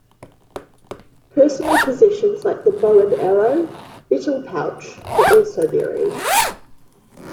Personal possessions like the bow and arrow, betel pouch, were also buried.